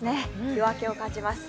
夜明けを感じます。